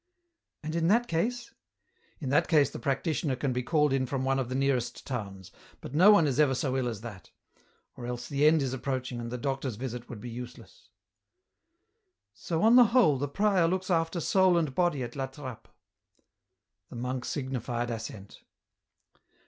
" And in that case ?"" In that case the practitioner can be called in from one of the nearest towns, but no one is ever so ill as that ; or else the end is approaching and the doctor's visit would be useless ..."" So on the whole the prior looks after soul and body at La Trappe." The monk signified assent.